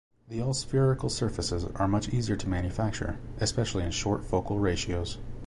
The all spherical surfaces are much easier to manufacture, especially in short focal ratios.